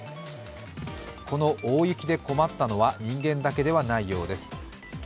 この大雪で困ったのは人間だけではないようです。